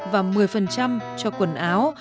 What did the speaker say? và một mươi cho quần áo